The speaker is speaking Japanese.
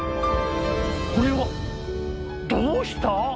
これはどうした？